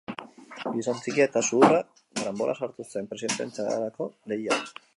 Gizon txikia eta zuhurra, karanbolaz sartu zen presidentetzarako lehian.